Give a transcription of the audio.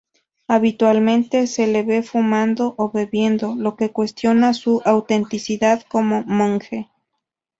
Habitualmente se le ve fumando o bebiendo, lo que cuestiona su autenticidad como monje.